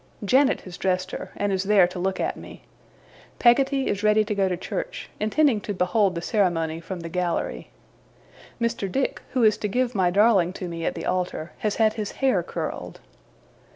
Janet has dressed her, and is there to look at me. Peggotty is ready to go to church, intending to behold the ceremony from the gallery. Mr. Dick, who is to give my darling to me at the altar, has had his hair curled.